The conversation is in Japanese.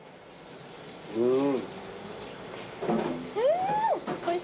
うん！